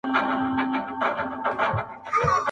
زه ولاړ یم پر ساحل باندي زنګېږم!